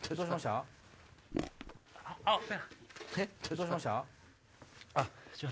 どうされました？